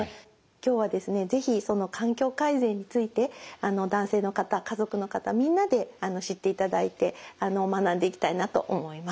今日はですね是非その環境改善について男性の方家族の方みんなで知っていただいて学んでいきたいなと思います。